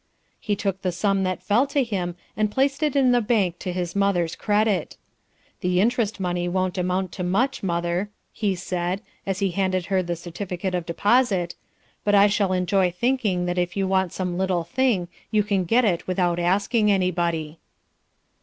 He took the sum that fell to him and placed it in the bank to his mother's credit. "The interest money won't amount to much, mother," he said, as he handed her the certificate of deposit, "but I shall enjoy thinking that if you want some little thing you can get it without asking anybody."